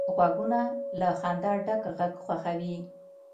غوږونه له خندا ډک غږ خوښوي